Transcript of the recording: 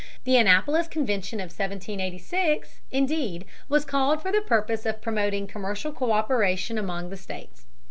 The Annapolis Convention of 1786, indeed, was called for the purpose of promoting commercial co÷peration among the states.